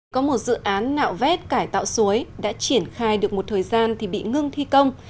có một dự án nạo vét cải tạo suối đã triển khai được một thời gian thì bị ngưng thi công